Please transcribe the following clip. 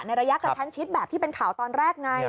ระยะกระชั้นชิดแบบที่เป็นข่าวตอนแรกไง